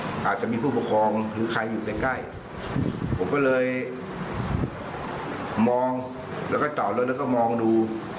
อาจจะมีผู้ปกครองหรือใครอยู่ใกล้ใกล้ผมก็เลยมองแล้วก็จอดรถแล้วก็มองดู